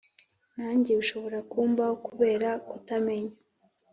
nange bishobora kumbaho kubera kutamenya.